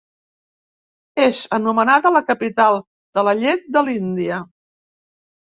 És anomenada la capital de la llet de l'Índia.